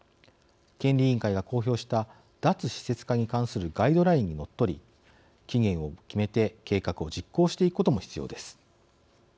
権利委員会が公表した脱施設化に関するガイドラインにのっとり期限を決めて計画を実行していくことも必要です。